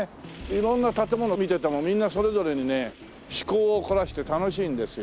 色んな建物を見ててもみんなそれぞれにね趣向を凝らして楽しいんですよ。